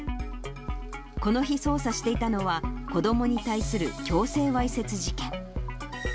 この日、捜査していたのは、子どもに対する強制わいせつ事件。